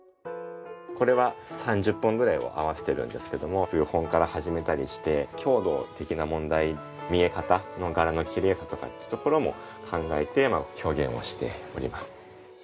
これは３０本ぐらいを合わせてるんですけども数本から始めたりして強度的な問題見え方の柄のきれいさとかっていうところも考えて表現をしております。